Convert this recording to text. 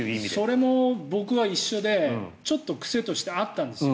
それも僕は一緒でちょっと癖としてあったんです。